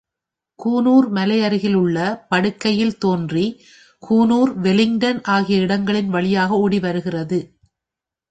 கூனூர் மலைக்கருகிலுள்ள படுகையில் தோன்றி, கூனூர், வெல்லிங்டன் ஆகிய இடங்களின் வழியாக ஓடி வருகிறது.